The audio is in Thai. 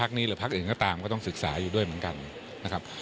นี้หรือพักอื่นก็ตามก็ต้องศึกษาอยู่ด้วยเหมือนกันนะครับ